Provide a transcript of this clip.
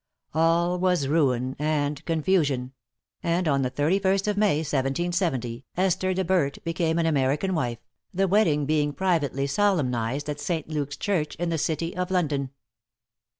All was ruin and confusion; and on the 31st of May, 1770, Esther De Berdt became an American wife, the wedding being privately solemnized at St. Luke's Church, in the city of London.